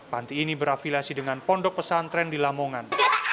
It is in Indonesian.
panti ini berafilasi dengan pondok pesantren di lamongan